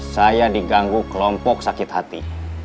saya diganggu kelompok sakit hati